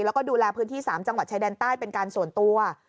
แล้วก็ดูแลพื้นที่๓จังหวัดชายแดนใต้เป็นการส่วนตัว